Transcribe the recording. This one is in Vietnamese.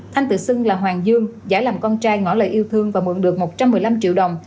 thanh tự xưng là hoàng dương giải làm con trai ngõ lời yêu thương và mượn được một trăm một mươi năm triệu đồng